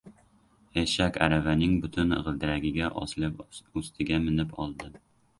Eshak aravaning butun g‘ildiragiga osilib ustiga minib oldim.